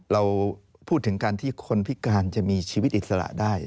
เราพูดถึงการที่คนพิการจะมีชีวิตอิสระได้